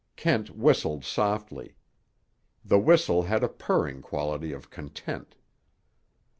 Kent whistled softly. The whistle had a purring quality of content.